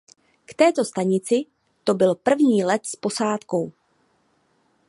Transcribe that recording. K této stanici to byl první let s posádkou.